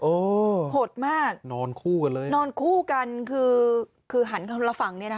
โอ้โหหดมากนอนคู่กันเลยนอนคู่กันคือคือหันคนละฝั่งเนี่ยนะคะ